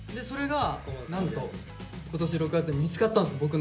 それがなんと今年６月に見つかったんですよ。